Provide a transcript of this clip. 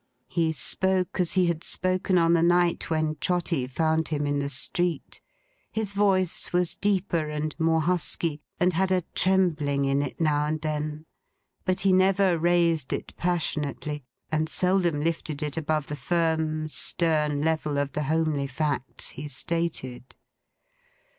He spoke as he had spoken on the night when Trotty found him in the street. His voice was deeper and more husky, and had a trembling in it now and then; but he never raised it passionately, and seldom lifted it above the firm stern level of the homely facts he stated.